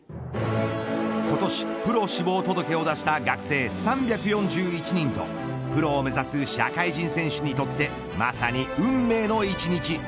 今年プロ志望届を出した学生３４１人とプロを目指す社会人選手にとってまさに運命の一日。